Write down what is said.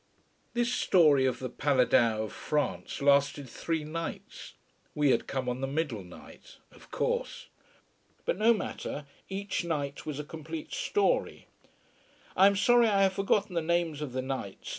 This story of the Paladins of France lasted three nights. We had come on the middle night of course. But no matter each night was a complete story. I am sorry I have forgotten the names of the knights.